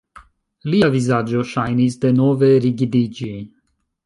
Lia vizaĝo ŝajnis denove rigidiĝi.